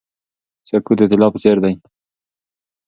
سکوت د طلا په څیر دی.